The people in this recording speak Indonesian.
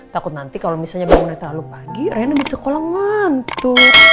takut nanti kalau misalnya bangunnya terlalu pagi rena di sekolah ngantuk